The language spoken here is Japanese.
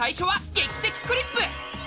「劇的クリップ」！